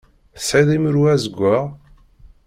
Tesεiḍ imru azeggaɣ?